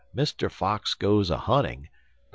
MR. FOX GOES A HUNTING, BUT MR.